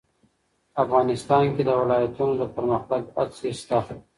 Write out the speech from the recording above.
افغانستان کې د ولایتونو د پرمختګ هڅې شته.